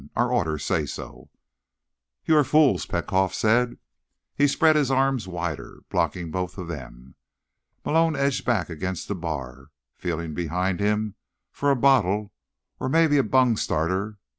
Our orders say so." "You are fools," Petkoff said. He spread his arms wider, blocking both of them. Malone edged back against the bar, feeling behind him for a bottle or maybe a bungstarter.